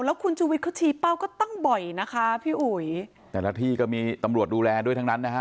แล้วคุณชุวิตเขาชี้เป้าก็ตั้งบ่อยนะคะพี่อุ๋ยแต่ละที่ก็มีตำรวจดูแลด้วยทั้งนั้นนะฮะ